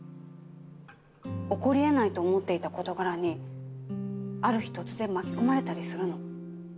起こり得ないと思っていた事柄にある日突然巻き込まれたりするの。